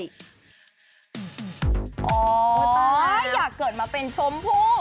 ตายอยากเกิดมาเป็นชมพู่